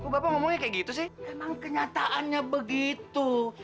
bapak ngomongnya kayak gitu sih emang kenyataannya begitu